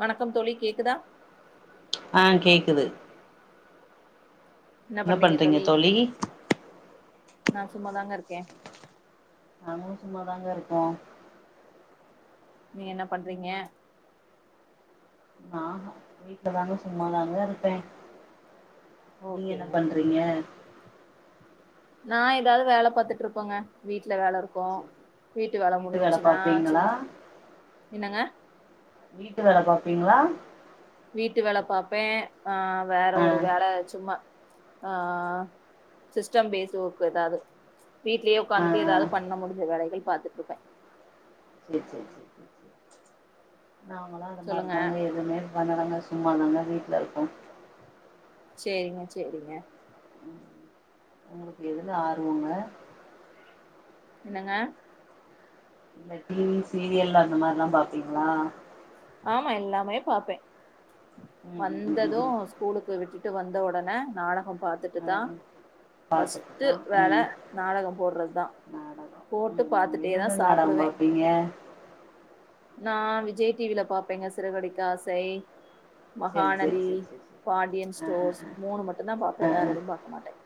வணக்கம் தோழி கேக்குதா ஆஹ் கேக்குது என்ன பண்றீங்க தோழி நா சும்மாதாங்க இருக்கேன் நாங்களும் சும்மாதாங்க இருக்கோம் நீங்க என்ன பண்றீங்க நா வீட்டுல தாங்க சும்மாாதாங்க இருப்பே நீங்க என்ன ஓகேங்க பண்றீங்க நான் ஏதாவது வேல பாத்துட்டு இருப்போங்க வீட் வேலை இருக்கும் வீட்டு வேலை வேல முடிஞ்சிச்சுன்னா பாப்பீங்களா சும்மா என்னங்க வீட்டு வேல பார்ப்பீங்களா வீட்டு வேல பார்ப்பேன் ஆஹ் வேற ஆ ஒரு வேல சும்மா ஆஹ் சிஸ்டம் பேஸக்கு ஏதாவது வீட்லயே ஆ உட்காந்துட்டு ஆ ஏதாவது பண்ண முடிஞ்ச வேலைகள் பார்த்துட்டு இருப்பேன் சேரி சேரி சேரி நாங்களும் அது மாரி சொல்லுங்க தாங்க எதுவுமே [unintelligible] சும்மாாங்க வீட்டில இருக்கோ சேரிங்க சேரிங்க உங்களுக்கு எதில ஆர்வங்க என்னங்க இந்த டிவி சீரியல் அந்த மாதிரில்லாம் பாப்பீங்களா ஆமா எல்லாமே பார்ப்பேன் ம் ம் ம் வந்ததும் ம் ஸ்கூலுக்கு விட்டு ட்டு வந்தவுடனே நாடகம் ஆ பார்த்துட்டுதான் ஆ பஸ்ட்டு பாத்துட்டுதா வேல ம் நாடகம் போடுறதுதான் நாடகம் போட்டு ம் ம் பார்த்துட்டே என்னென்ன தான் நாடகம் சாப்பிடுவேன் பாப்பீங்க நான் விஜய் டி வில பார்ப்பேங்க சிறகடிக்க ஆசை செரி செரி மகாநதி செரி செரி செரி பாண்டியன் ஆ ஆ ஸ்டோர்ஸ் மூணு மட்டும்தான் பாாரப்பேன் வேற எதுவும் பார்க மாட்டேன்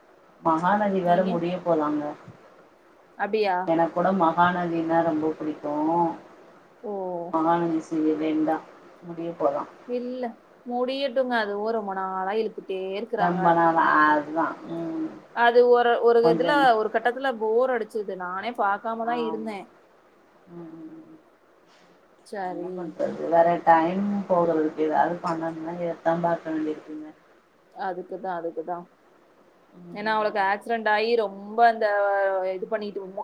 மகநதி வேற முடிய போலாங்க அப்டியா என கூட மா மானநீங்கதா ரொம்ப பிடிக்கு ஓ மானனீஸ் செய்ய வேண்டா முடியத் இல்ல முடியட்டுங்க அதுவும் ரொம்ப நாளா இழித் தொம்ப நாளா அதுதா ம் அது ஒரு ஒரு கொஞ்ச இதுல ஒரு கட்டத்துல போர் அடுச் ச்சுது நானே பாக்காமதா ஆம்மா இருந்தே உம் என்ன சரி பண்றது வேற டைம் போறது து அது பண்ணன்னா இதத்தான் பாக்க வேண்டியிருக்குங்க அதுக்குதா அதுக்குதா ம் ம் ஏனா ம் அவுளுக்கு ம் ஆக்சிடென்ட்டாகி ரொம் ரொம்ப அந்த இது பண்ணிட்யிருமோ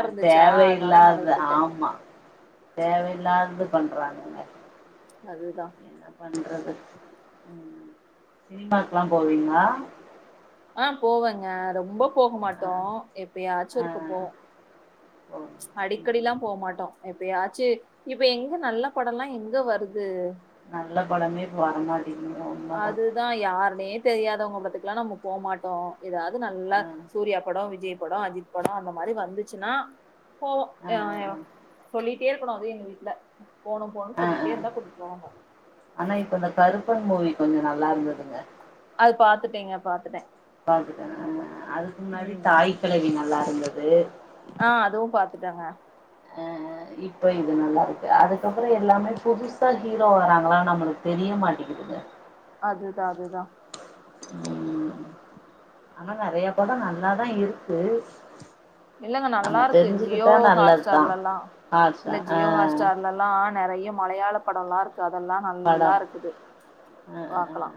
அது தேவையில்லாது விட்டுட்டேன் ஆம்மா தேவையில்லாது இது பண்ணுறானுங்க அதுதா சினிமாக்குல்லா போவீங்குளா ஆஹ் போவேங்க ரொம்பப் அ போகுமாட்டோ எப்பியாச்சு ஆ ஒருக்கு போவோ ஓ ம் அடிக்கடிலாம் போவ்மாட்டோ எப்பியாச்சு இப்ப எங்கு நல்ல படலெல்லா எங்க வருது நல்ல படமே இப்பு வரமாட் அதுதா யார்னே தெரியாதவங்க பட்டுக்குல்லா நம்ப போமாட்டோ எதாவுது நல்லா ஆ சூர்யா படோ விஜய் படோ அஜித் படோ அந்த மாரி வந்துச்சுன்னா போவோ ஆ ஆ யாயோ ஆ சொல்லிட் கேக்குணு அதை எங்கு வீட்ல போணு போணுன்னு சொல்லிட்டே இருந்தா கூட்டிட் போவாங்க ப்பு மூவி கொஞ்சு நல்லா இருந்ததுங்க அது பாத்துட்டேங்க பாத்துட்டே பாத்துட்டே [unintelligible] அதுக்கு முன்னாடி தாய் கிழவிங்க நல்லா இருந்தது ஆஹ் அதுவும் பாத்துட்டேங்க அஹ் ஆஹ் இப்ப இது நல்லா இருக்கு அதுக்கப்புறோ எல்லாமே புதுசா ஹீரோ வராங்குளா நம்முளுக் தெரிய மாட்டிங்குதுங்க அதுதா அதுதா உம் அவுங்க அதை படம் நல்லாதா இருக்கு இல்லங்க நல்லா நம்ம இருக்கு தெரிஞ்சுக்கிட்டா ஜியோ ஹாட் நல்லதுதா ஸ்டார்லல்லா ஹார்ஷா இல்ல ஆ ஜியோ ஹாட் ஸ்டார்லல்லா நெறியா மலையாளப் படல்லா இருக் அதெல்லாம் படோ நல்லா இருக்குது ஆ ஆ ஆ பாக்கலாம்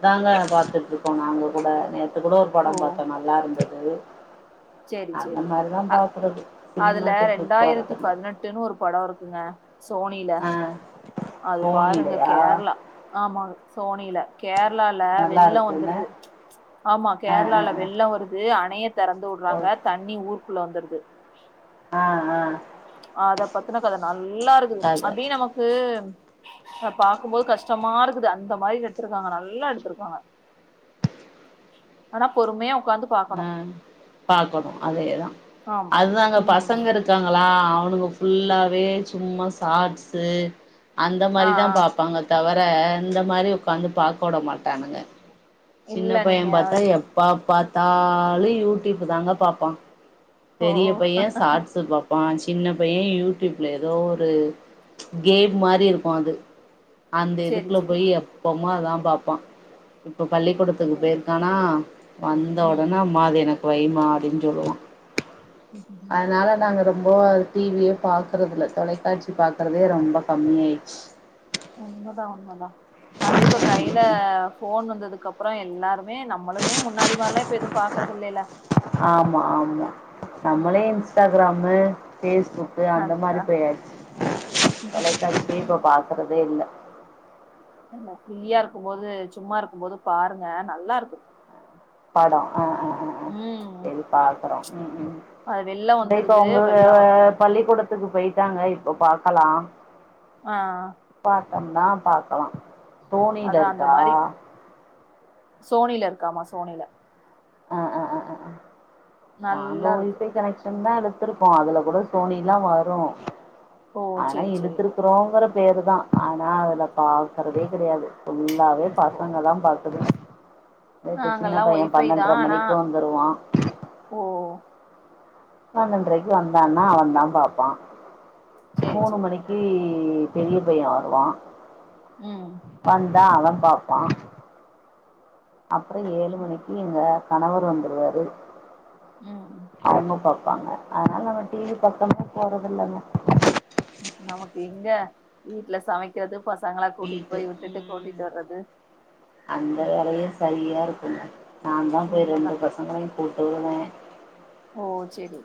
அதாங்க பார்த்துட்டு இருக்கோம் நாங்க கூட அதுக்கூட ஒரு படம் பார்த்தேன் நல்லா இருந்தது உம் செரி செரி அ சினிமா அதுல தேட்ருக்கு ரெண்டாயிரத்தி போறதில்ல பதினெட்டுன்னு ஒரு படம் இருக்குங்க சோனில ஆ அது பாருங்க போனிலயா கேரளா ஆமா சோனில கேரளால நல்லா வெள்ளம் இருக்குன்னு வந்துருது ஆமா ஆ ஆ கேரளால ஆ வெள்ளம் வருது அணைய தெறந்து வாங்க தண்ணி ஊர்க்கு குள்ள வந்துடுது ஆஹ் ஆஹ் அத பத்தினா கத நல்லா இருக்குது கத அப்டியே நமக்கு அத பாக்கும்போது கஷ்டமா இருக்குது அந்த மாரி எடுத்திருக்காங்க நல்லா எடுத்திருக்காங்க ஆனா பொறுமையா உக்காந்து பாக்கணு உம் பாக்கணும் அதேதான் ஆமா அதுதாங்க பசங்க ம் இருக்காங்களா அவனுக ஃபுல்லாவே சும்மா ஷாட்ஸு அந்த ஆ ஆ மாரிதான் பாப்பாங்க தவர த இந்த மாரி உட்காந்து பாக்க வுட மாட்டானுக சின்ன இல்ல நீங்க பையன் பாத்தா எப்பா பாத் தாலு யூடியூப் தாங்க பாப்பான் ஓ பெரிய பையன் ஷாட்ஸ் பாப்பான் சின்ன பையன் யூடியூப்ல ஏதோ ஒரு கேம் மாரி இருக்கும் அது அந்த சேரி இதுக்குல சேரி போய் எப்போ அதான் பாப்பான் இப்போ பள்ளிக்கூடத்துக்கு போயிருக்கானா வந்து ம் உடனே மா அத என இப்ப வைமா அப்டின்னு சொல்லுவான் அதனால நாங்க ரொம்ப டிவியே பாக்கறதுல தொலைக்காட்சி பாக்கறதே ரொம்ப கம்மியா ஆயிச்சு உண்மதான் உண்மதான் அது இப்ப கையில போன் வந்து அதுக்கப்பறம் எல்லாருமே நம்மளுமே முன்னாடி மாரில்லாம் இப்ப எது பாக்கறது இல்லைல ஆமா ஆமா நம்மளே ம் இன்ஸ்டாகிராமு பேஸ்புக்கு அந்த மாரி அதா பேயாச்சு தொலைக்காட்சியே இப்போ பாக்கறதே இல்லை என்ன ஃப்ரீயா இருக்கும்போது சும்மா இருக்கும்போது பாருங்க நல்லா இருக்கு படோ ஆ உம் உம் உம் இத இப்ப அவுங்க வெள்ளோ பள்ளிக்கூடத்துக்கு போயி ட்டாங்க இப்ப பாக்கலா ஆ வந்தா பாக்கலா சோனியில அதா அந்த இருக்கா மாரி சோனில இருக்காமா சோனில ஆ ஆ ஆ ஆ அங்க நல்லா இருக்கு வைஃபை கனெக்ஷன்தா அதுல த்துருக்கோ அதுல கூட சோனில்லா வரு ஓ ஆனா சேரி சேரி இழுத்துருக்கறோங்கற பேருதா ஆனா அதுல பாக்கறதே கெடையாது ஃபு ல்லாவே ஓ பசங்கதா பாக்குதுக நைட்டு சின்ன நாங்கல்லா பைய ஒய்ஃபை பன்னென் தா ஆனா மணிக்கு வந்துருவா ஓ பன்னென்ரைக்கி வந்தான்னா அவந்தா பாப்பா சேரி மூணு சேரி மணிக்கி பெரிய பைய வருவா உம் தா அவ பாப்பா அப்புறோ ஏழு மணிக்கி எங்க கணவர் வந்துருவாரு ம் [unintelligible] பாப் பாங்க அதனால நம்ம டிவி பக்கமே போறதில்லைங்க நமக்கு எங்க வீட்ல சமைக்கிறது பச வீட்டு உம் அந்த வேலையே சரி யா இருக்குமே நாந்தா போய் உண்மதா ரெண்டு பசங்களையு கூட்டு வருவே ஓ செரி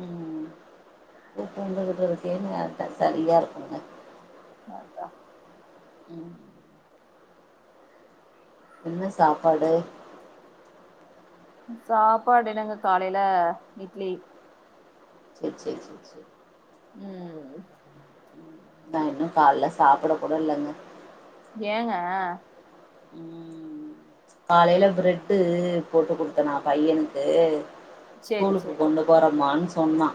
உம் [unintelligible] நேரத்த சரியா இருக்குங்க அதா உம் என்ன சாப்பாடு சாப்பாடு என்னங்க காலையில இட்லி செரி செரி செரி செரி உம் நான் இன்னும் காலைல சாப்பிட கூட இல்லைங்க ஏங்க உம் காலையில பிரெட்டு் போட்டு குடுத்தேனா பையனுக்கு சேரி ஸ்கூலுக்கு சேரி கொண்டு போற மான்ஸ் சொன்னா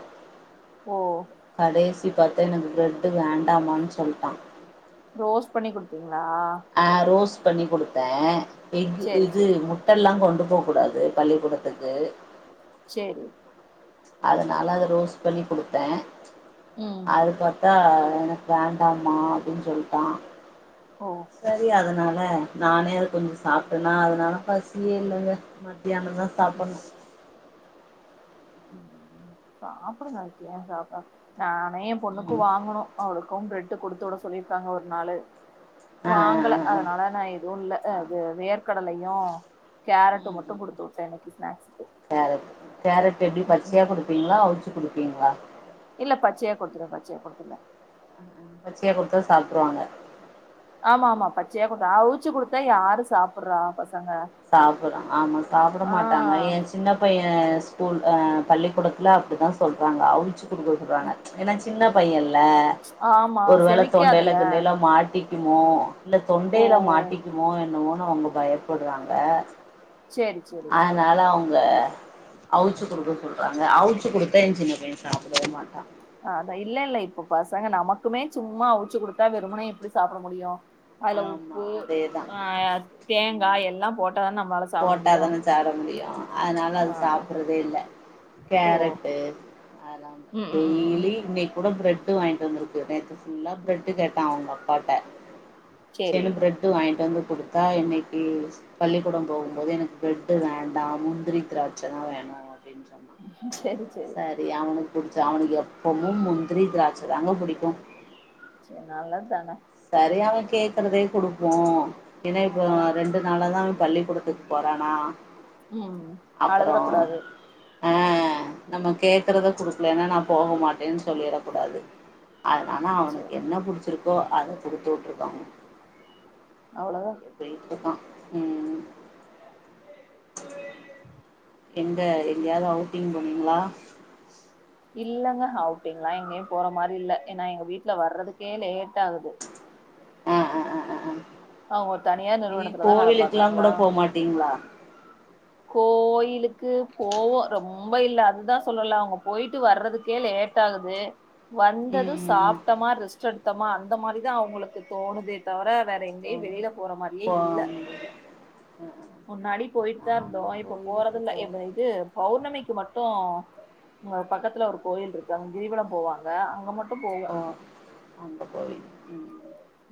ஓ கடைசி பார்த்தா எனக்கு பிரெட்டு் வேண்டாமான்னு சொல்லிட்டான் ஃபோர்ஸ் பண்ணி கொடுத்தீங்க ஆஹ் ரோஸ்ட் பண்ணி கொடுத்தேன் எக்கு சேரி எக்கு சேரி முட்டை இல்லாம ஒன் திருப கூடாது பள்ளிக்குடத்துக்கு செரி அதனால அத லூஸ் பண்ணி குடுத்தேன் ம் அது பாத்தா எனக்கு வேண்டாமா அப்படின்னு சொல்ட்டான் ஓ சரி அதனால நானே அது கொஞ்சம் சாப்பிட்டேனா அதனால பசியே இல்லைங்க மதியானம் தான் ம் சாப்பனும் உம் சாப்புடுங்க அதற்கு கேன் சாப்பிடமா நான் பையன் ம் பொண்ணுக்கும் வாங்கணும் அவள் ளுக்கும் பிரெட்டு கொடுத்து விட சொல்லியிருக்காங்க ஒரு நாளு ஆ ஆ வாங்கல ஆ ஆ அதனால நான் எதுவும் இல்ல ஆ இது வேர்க்கடலை யும் கேரட்டு ம் மட்டும் ம் கொடுத்து வுட்டேன் இன்னைக்கு ஸ்நாக்ஸ்க்கு உம் தீங்களா அவுச்சி கொடுப்பிங்களா இல்ல பச்சையா கொடுத்துருவேன் பச்சையா கொடுத்துருவேன் ட்றுவாங்க ஆமா ஆமா பச்சையா குடுப்பேன் அவுச்சு குடுத்தா யாரு சாப்டுறா சாப்டுறான் ஆமா சாப்பிட ஆ மாட்டாங்க என் சின்ன பையன் அஹ் ஸ்கூல் பள்ளிக்கூடத்தில் அப்படிதான் சொல்லுறாங்க அவுச்சு கொடுக்கறாங்க ஏன்னா சின்ன பையன் ல ஆமா ஓரு வேல தொண்டைல செமிக்காதுல்ல கிண்டைல மாட்டி மோ இல்ல ஓ தொண்டையில மாட்டிக்குமோ என்னமோ அவங்க பயப்படுறாங்க வே சேரி சேரி அங்க அவிச்சு கொடுக்க சொல்கிறாங்க அவிச்சு கொடுத்தா எங்க சின்ன பையன் சாப்பிடவே மாட்டா அஹ் அதான் இல்ல இல்ல இப்போ பசங்க நமக்குமே சும்மா அவிச்சு கொடுத்தா வெறுமனே எப்படி சாப்பிட முடியு அதுல ஆமா உப்பு அதேதா அஹ் தேங்காய் எல்லா போட்டோ தான் நம்மளால சாப்ட முடியு போட்டாதானே சாப்பிட முடியும் அதனால அது ஆ சாப்பிடறதே இல்ல ஓ கேரட்டு அத ம் ம் ம் ம் டெய்லி இன்னை கூட பிரட் வாங்கிட்டு வந்திருக்கு நேற்று புல்லா பிரெட்டு் கேட்டான் அவங்க அப்பாட்ட சேரி சேரின்னு பிரட்டு வாங் வாங்கிட்டு வந்து கொடுத்தா இன்னைக்கு பள்ளிக்கூடம் போகும்போது எனக்கு பிரட்டு வேண்டாம் முந்திரி திராட்சை தான் வேணும் அப்படின்னு சொன்னா சேரி சேரி சரி அவனு புடிச்ச அவனுக்கு எப்பவும் முந்திரி திராட்சைதாங்க பிடிக்கும் சேரி நல்ல தானே சேரி அவ கேக்குறதே கொடுப்போம் ஏன்னா இப்ப அவ்ளோதா ரெண்டு நாள தான் பள்ளி கொடத் து போறானா ம் அழுதுற அப்புறம் கூடாது அஹ் அஹ் நம்ம கேக்குறத குடுக்கலன்னா நா போக மாட்டேன்னு சொல்லிடக் கூடாது அதனால அவனுக்கு சேரி என்ன புடிச்சிருக்கோ அது விட்டு இருக்காங்க அவ்ளோதா அது எப்படின்டுதான் உம் எங்க எங்கயாரது அவுட்டிங் போனீங்களா இல்லங்க அவுட்டிங் எல்லா எங்கேயும் போற மாரி இல்ல ஏன்னா எங்க வீட்டுல வர்றதுக்கே லேட் ஆகுது ஆஹ் ஆஹ் ஆஹ் ஆஹ் அவங்க ஒரு தனியார் ஆஹ் இ நிறுவனத்துலதா வேல கோவிலுக்குல்லாம் பாக்குறாங்களா கூட போகமாட்டீங்களா கோயிலுக்கு போவோம் ரொம்ப இல்ல அதுதான் சொல்லல அவங்க போயிட்டு வர்றதுக்கே லேட் ஆகுது ம் வந்ததும் ம் சாப்பிட்டமா ரெஸ் டுத்தமா அந்த மாதிரிதான் அவங்களுக்கு தோணுதே தவிர வேற ம் எங்கேயும் தோணு வெளியில போற மாரியே போ இல்ல ஆ ஆ முன்னாடி போயிட் ருந்தோ நாங்க இப்ப கோவிலுக்கு போறதில்ல போவோ இப்ப இது பௌ ர்ணமிக்கு மட்டு ஆ பக்கத்துல ஒரு கோயில் இருக்கு அங்க கிரிவலம் போவாங்க அங்க மட்டு போவே ஓ அந்த கோயில் உம்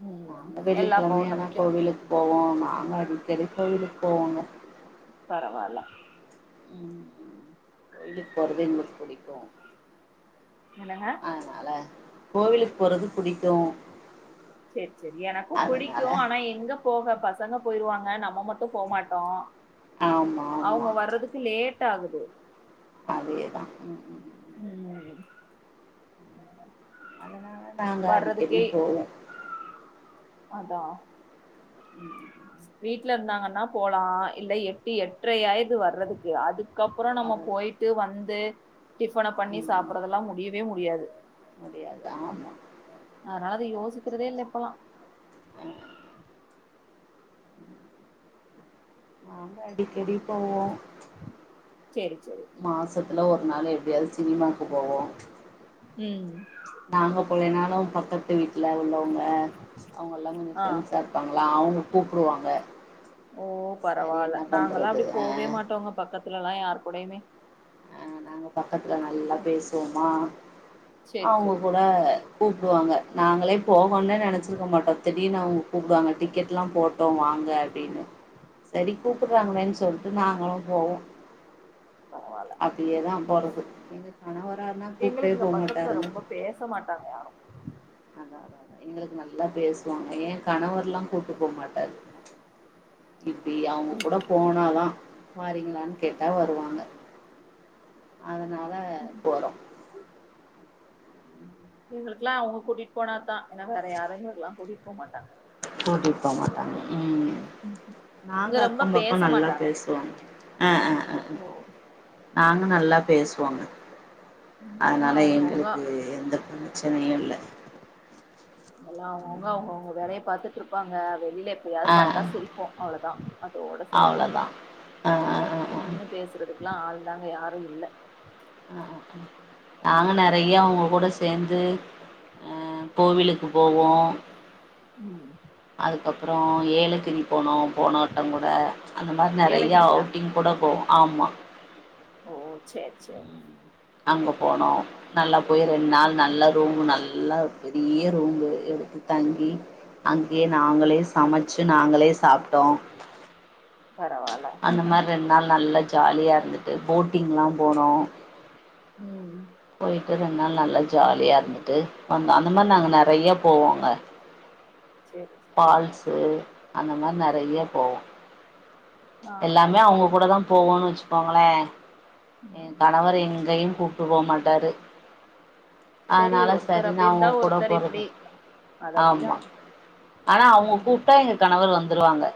ம் நாங்க எல்லா வெள்ளிக்கிழமை ஆனா பௌர்ணமிக்கு கோவிலுக்கு போவோ நாங்க அடிக்கடி கோயிலுக்கு போவோங்க பரவால்ல உம் உம் கோயிலுக்கு போறது எங்களுக்கு புடிக்கு என்னங்க அதனால கோவிலுக்கு போறது புடிக்கு சேரி சேரி எனக்கும் புடிக்கு அதனால ஆனா எங்க போக ப சங்க போயிருவாங்க நம்ம மட்டு போமாட்டோ ஆமா ஆமா ட்டாகுது அதேதா உம் உம் உம் ம் அதனால நாங்க அடிக்கடி வர்றதுக்கே போவோ அதா உம் உம் வீட்ல இருந்தாங்கன்னா போலா இல்ல எட்டு எட்ரையாயிருது வர்றதுக்கே அது க்கப்பறோ நம்ம வர்றது போய்ட்டு வந் து டிஃபன பண்ணி ம் ம் சாப்டறதெல்லா முடியவே முடி யாது முடியாது ஆமா க்குறதே இல்ல இப்பல்லா நாங்க அடிக்கடி போவோ செரி செ மாசத்துல ஒரு நாளு எப்டியாது சினிமாக்கு போவோ உம் நாங்க [unintelligible] பக்கத்து வீ ட்ல உள்ளவுங்க அவுங்கல்லா கொஞ்ச ஆ ஃப்ரெண்ட்ஸா இருப்பாங்க ல்ல அவுங்க கூப்டுவாங்க ஓ சரி பரவால்ல என்ன நாங்கல்ல பண்றது அப்டி ஆ போவே மாட்டோங்க பக்கத் துலல்லா யாரு கூடயுமே ஆஹ் நாங்க ப க்கத்துல நல்லா ம் பேசுவோமா சேரி அவுங்க சேரி கூட கூப்டுவாங்க நாங்களே போ ஒன்ன நெனச்சுருக்க மாட்டோ திட் டினு அவுங்க கூப்டுவாங்க டிக்கெட்லா போட்டோ வாங்க அப்டின்னு சேரி ம் கூப்புறாங்களே சொல்டு நாங்களு போவோ பரவால்ல அப்டியேதா போறது எங்க கணவரானா கூப்டே எங்களுக்கு இங்க பக்கத்துல போமாட்டாருங்க ரொம்ப பேச மாட்டாங்க யாரு அதா அதா அதா எங்களுக்கு நல்லா பேசுவாங்க ஏ கணவர்லா கூப்டு போமாட்டாரு இப்டி அவுங்க கூட போனாதா வாரீங்களான் கேட்டா வருவாங்க அதனால போறோ உங்ளுக்கலா அவுங்க கூட்டிட் போனாதா ன்னா வேற யாரங்கல்லா கூடிட் போமாட்டாங்க கூட்டிட் போமாட்டாங்க ம் இங்க நாங்க ரொம்ப அக்கம் பேச பக்கம் நல்லா மாட்டாங்க பேசுவோங்க ஆ ஆ ஆ ஆ ஓ நாங்க நல்லா பேசுவோங்க இங்கெல்லா அதனால அவங்கவுங்க எங்களுக்கு எந்த பண்ண பிரச்சனையே இல்லை பார்த்துட்டு இருப்பாங்க வெளியில எப்பாவது ஆ பார்த்தா சிரிப்போம் அவ்வளவுதான் அதோட சேரி அவ்ளோதா ஆ ஆ ஆ ஆ ஆ நின்று பேசுறதுக்கெல்லாம் ஆள் தாங்க யாரும் இல்ல ஆஹ் ஆஹ் ஆஹ் நாங்க நெறைய அவங்க கூட சேர்ந்து அஹ் கோவிலுக்கு போவோ உம் அதுக்கப்புறம் ஏலக்கிரி போனோம் போன வட்டம் கூட அந்த மாரி நெறையா ஏலகிரியா அவுட்டிங் கூட போவோம் ஆமா ஓ சேரி சேரி அங்க போனோம் நல்லா போய் ரெண்டு நாள் நல்ல ரூம் நல் எல்லா பெரிய ரூம்பு எடுத்து தங்கி அங்கேயே நாங்களே சமைச்சு நாங்களே சாப்பிட்டோம் பரவால்ல அந்த மாரி ரெண்டு நாள் நல்ல ஜாலியா இருந்துட்டு போட்டிங்லாம் போனோம் உம் டு ரெண்டுநாள் நல்லா ஜாலியா இருந்துட்டு வந்த அந்த மாரி நாங்க நெறய போவோங்க பா சேரி சேரி பால்ஸ்ஷு அந்த மாரி நிறைய ஓ போகம் நாங்களா எல்லாமே அப்டி அவங்க கூட போமாட்டோ தான் போகும்ன்னு வச்சுக்கோங்களே என் ம் கணவர் எங்கேயையும் கூப்பிட்டு போக மாட்டாரு அதனால சரி ஒருத்தர் அப்டி நான் உங்க இருந்தா கூட ஒருத்தர் போருது இப்டி அது ஆமா அப்டிதா ஆனா அவங்க கூப்பிட்டா எங்க கணவர் வந் தருவாங்க